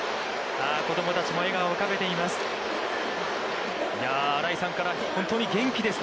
子供たちも笑顔を浮かべています。